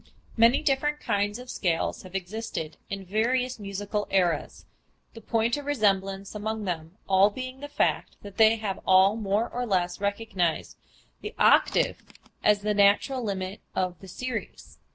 Many different kinds of scales have existed in various musical eras, the point of resemblance among them all being the fact that they have all more or less recognized the octave as the natural limit of the series.